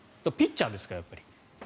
ピッチャーだからですかやっぱり。